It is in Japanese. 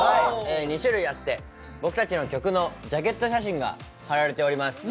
２種類あって、僕たちの曲のジャケット写真が貼られております。